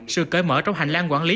sự cởi mở trong hành lang quản lý